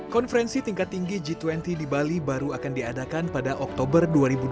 konferensi tingkat tinggi g dua puluh di bali baru akan diadakan pada oktober dua ribu dua puluh